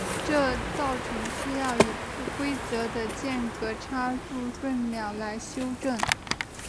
这造成需要以不规则的间隔插入闰秒来修正。